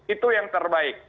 itu yang terbaik